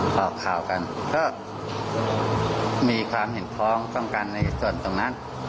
พร้อมต้องการในส่วนตรงนั้น